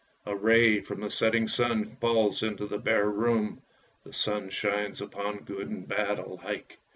A ray from the setting sun falls into the bare room. The sun shines upon good and bad alike!